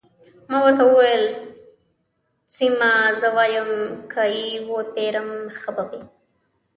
ما ورته وویل: سیمه، زه وایم که يې وپېرم، ښه به وي.